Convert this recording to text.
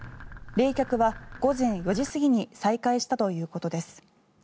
冷却は午前４時過ぎに再開したということです。